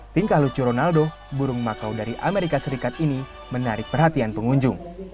tingkah lucu ronaldo burung makau dari amerika serikat ini menarik perhatian pengunjung